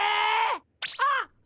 あっ！